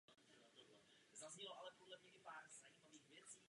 Kurzy se zpravidla konají odděleně pro chlapecký a dívčí kmen.